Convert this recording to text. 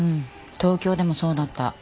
東京でもそうだった。